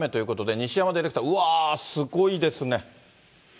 西山ディレクター、うわー、すごいですね。